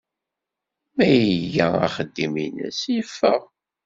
Mi ay iga axeddim-nnes, yeffeɣ.